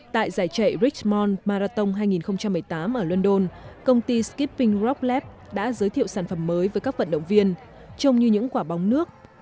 tại giải chạy richmond marathon hai nghìn một mươi tám ở london công ty skipping rock lab đã giới thiệu sản phẩm mới với các vận động viên trông như những quả bóng nước